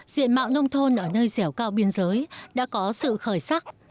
diện mạo nông thôn ở nơi dẻo cao biên giới đã có sự khởi sắc